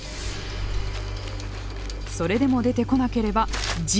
それでも出てこなければ地響き作戦。